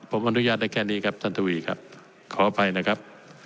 ผมอนุญาตได้แค่นี้ครับท่านทวีครับขออภัยนะครับ